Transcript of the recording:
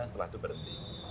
setelah itu berhenti